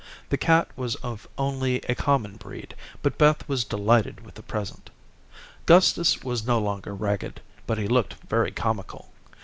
The cat was of only a common breed, but Beth was delighted with the present. Gustus was no longer ragged, but he looked very comical.